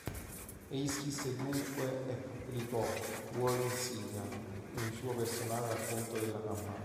Egli scrisse dunque e pubblicò "War in Syria", un suo personale racconto della campagna.